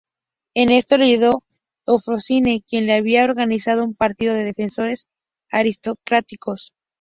En esto le ayudó Eufrósine, quien había organizado un partido de defensores aristocráticos.